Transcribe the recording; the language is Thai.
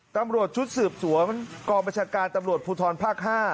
ตำรวจชุดสืบสวนกองบัญชาการตำรวจภูทรภาค๕